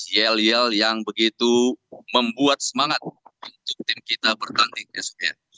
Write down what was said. yel yel yang begitu membuat semangat untuk tim kita bertanding esok